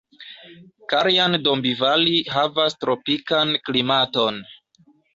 Kaljan-Dombivali havas tropikan klimaton.